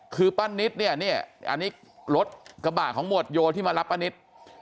คือป้านิตเนี่ยเนี่ยอันนี้รถกระบะของหมวดโยที่มารับป้านิต